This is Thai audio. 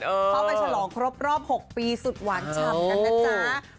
เข้าไปฉลองครบรอบ๖ปีสุดหวานฉ่ำกันนะจ๊ะ